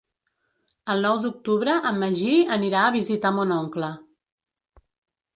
El nou d'octubre en Magí anirà a visitar mon oncle.